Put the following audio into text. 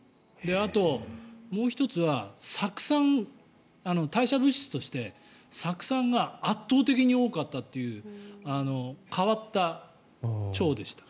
あと、もう１つは酢酸代謝物質として酢酸が圧倒的に多かったっていう変わった腸でした。